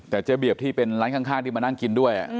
แต่เจ๊เบียบที่เป็นร้านข้างที่มานั่งกินด้วย